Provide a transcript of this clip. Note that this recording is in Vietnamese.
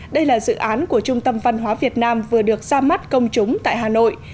đây là dự án của trung tâm văn hóa việt nam vừa được ra mắt công chúng tại hà nội